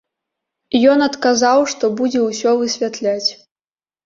Ён адказаў, што будзе ўсё высвятляць.